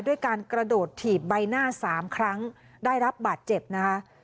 ด้วยการกระโดดถีบใบหน้า๓ครั้งได้รับบาดเจ็บนะคะ